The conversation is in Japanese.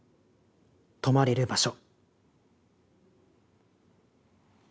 泊まれる場所」。